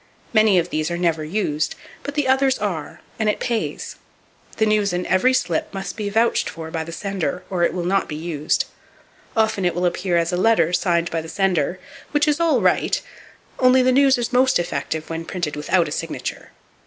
Many of these are never used, but the others are; and it pays. The news in every slip must be vouched for by the sender, or it will not be used. Often it will appear as a letter signed by the sender; which is all right, only the news is most effective when printed without a signature.